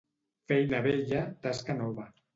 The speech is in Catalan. Feina vella, tasca nova.